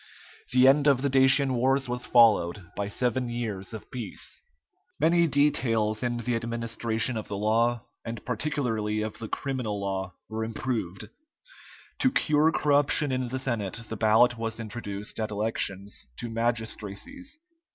The end of the Dacian wars was followed by seven years of peace. Many details in the administration of the law, and particularly of the criminal law, were improved. To cure corruption in the Senate the ballot was introduced at elections to magistracies.